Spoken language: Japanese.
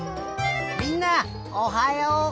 みんなおはよう！